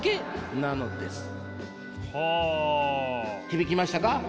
響きましたか？